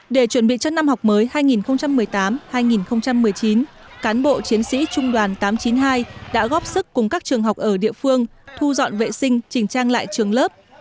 để chuẩn bị cho năm học mới hai nghìn một mươi tám hai nghìn một mươi chín cán bộ chiến sĩ trung đoàn tám trăm chín mươi hai đã góp sức cùng các trường học ở địa phương thu dọn vệ sinh trình trang lại trường lớp